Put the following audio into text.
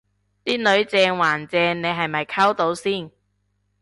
啲女正還正你係咪溝到先